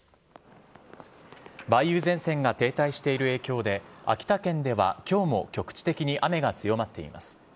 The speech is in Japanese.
梅雨前線が停滞している影響で、秋田県ではきょうも局地的に雨が強まっています。